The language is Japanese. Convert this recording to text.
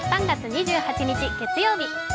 ３月２８日月曜日。